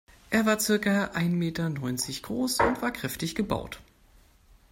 Er war circa ein Meter neunzig groß und war kräftig gebaut.